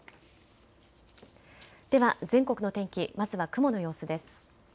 では全国の天気、まずは雲の様子です。